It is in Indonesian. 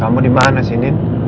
kamu dimana sih nin